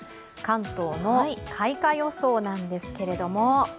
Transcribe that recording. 関東の開花予想なんですけれども。